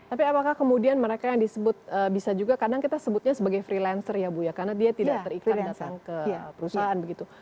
tapi apakah kemudian mereka yang disebut bisa juga kadang kita sebutnya sebagai freelancer ya bu ya karena dia tidak terikat datang ke perusahaan begitu